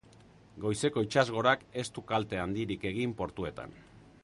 Goizeko itsasgorak ez du kalte handirik egin portuetan.